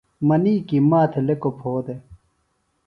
منی کی مہ تہ لیکوۡ پھو دےۡ